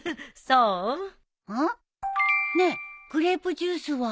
うん？ねえグレープジュースは？